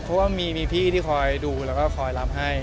เพราะว่ามีพี่ที่คอยดูแล้วก็คอยรับให้